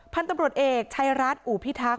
พตรเอกชายรัฐอู่พีทักค์